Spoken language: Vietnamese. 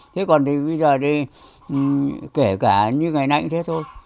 thế còn bây giờ kể cả như ngày nãy cũng thế thôi